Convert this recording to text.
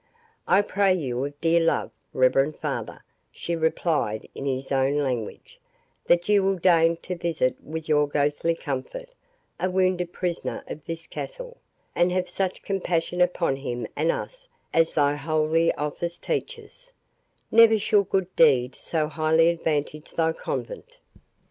"I pray you of dear love, reverend father," she replied in his own language, "that you will deign to visit with your ghostly comfort a wounded prisoner of this castle, and have such compassion upon him and us as thy holy office teaches—Never shall good deed so highly advantage thy convent."